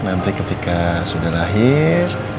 nanti ketika sudah lahir